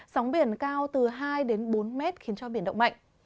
sóng biển cao từ hai đến bốn mét khiến cho biển động mạnh